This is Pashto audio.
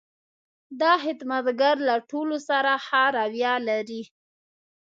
دا خدمتګر له ټولو سره ښه رویه لري.